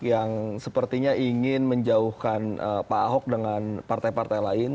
yang sepertinya ingin menjauhkan pak ahok dengan partai partai lain